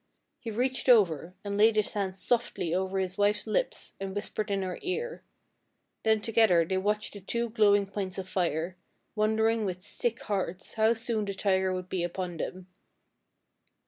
He reached over and laid his hand softly over his wife's lips and whispered in her ear. Then together they watched the two glowing points of fire, wondering with sick hearts how soon the tiger would be upon them.